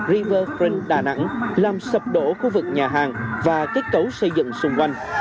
riverfront đà nẵng làm sập đổ khu vực nhà hàng và kết cấu xây dựng xung quanh